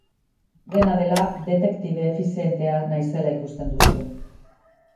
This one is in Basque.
Dena dela, detektibe efizientea naizela ikusten duzu.